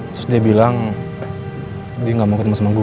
terus dia bilang dia gak mau ketemu sama gue